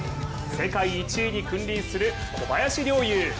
世界１位に君臨する、小林陵侑。